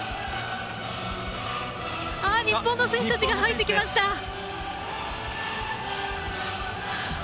日本の選手たちが入ってきました。